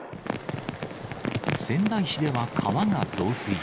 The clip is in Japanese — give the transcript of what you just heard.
仙台市では川が増水。